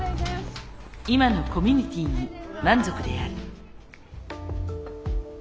今のコミュニティーに満足である。